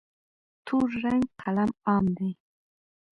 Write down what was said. تور رنګ قلم عام دی.